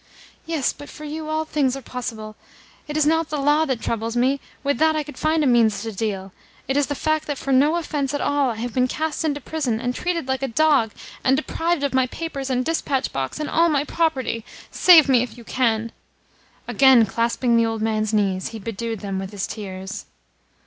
"Yes, but for you all things are possible. It is not the law that troubles me: with that I could find a means to deal. It is the fact that for no offence at all I have been cast into prison, and treated like a dog, and deprived of my papers and dispatch box and all my property. Save me if you can." Again clasping the old man's knees, he bedewed them with his tears.